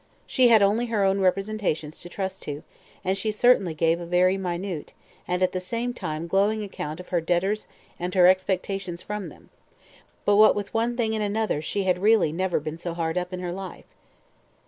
So she had only her own representations to trust to, and she certainly gave a very minute, and at the same time glowing account of her debtors and her expectations from them; but what with one thing and another she had really never been so hard up in her life.